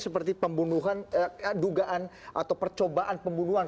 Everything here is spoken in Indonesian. seperti pembunuhan dugaan atau percobaan pembunuhan